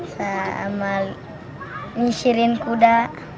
sama menyisirin kuda